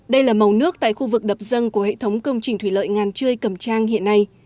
đây là màu nước tại khu vực đập dân của hệ thống công trình thủy lợi ngàn trươi cầm trang hiện nay